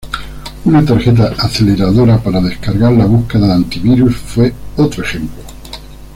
Una tarjeta aceleradora para descargar la búsqueda de antivirus fue otro ejemplo.